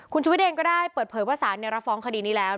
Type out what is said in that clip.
คุณชุวิตเองก็ได้เปิดเผยว่าสารรับฟ้องคดีนี้แล้ว